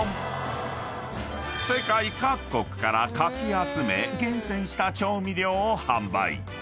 ［世界各国からかき集め厳選した調味料を販売］